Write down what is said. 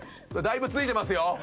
だいぶついてますよ。